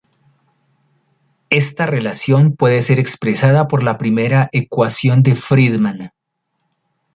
Esta relación puede ser expresada por la primera ecuación de Friedmann.